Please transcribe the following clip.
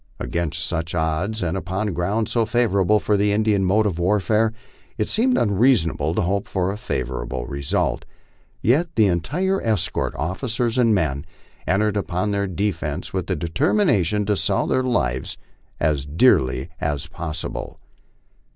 Against such odds, and upon ground so favorable for the Indian mode of warfare, it seemed unreasonable to hope for a favorable result. Yet the entire escort, officers and men, entered upon their defence with the deter mination to sell their lives as dearly as possible.